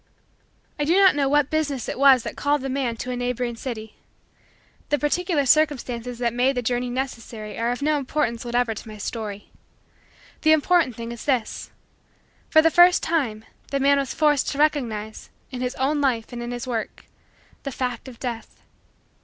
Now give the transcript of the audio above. I do not know what business it was that called the man to a neighboring city. The particular circumstances that made the journey necessary are of no importance whatever to my story. The important thing is this: for the first time the man was forced to recognize, in his own life and in his work, the fact of Death.